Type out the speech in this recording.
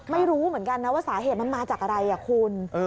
ไม่รู้เหมือนกันนะว่าสาเหตุมันมาจากอะไรคุณ